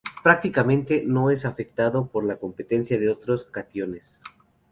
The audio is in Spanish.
Prácticamente, no es afectado por la competencia de otros cationes.